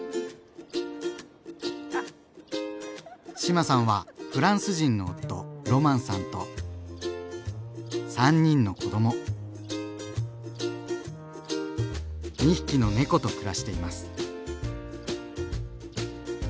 志麻さんはフランス人の夫・ロマンさんと３人の子ども２匹の猫と暮らしています。